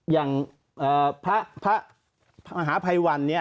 อย่างภาพอาหาภัยวันเนี่ย